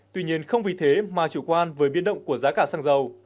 tuy nhiên không vì thế mà chủ quan với biến động của giá cả xăng dầu